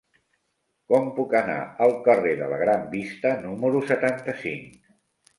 Com puc anar al carrer de la Gran Vista número setanta-cinc?